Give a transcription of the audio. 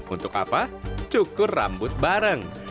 untuk apa cukur rambut bareng